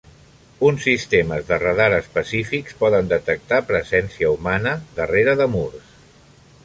Uns sistemes de radar específics poden detectar presència humana darrere de murs.